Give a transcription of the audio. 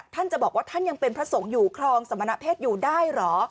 ท่านจะบอกว่าท่านยังเป็นพระสงฆ์อยู่ครองสมณเพศอยู่ได้เหรอ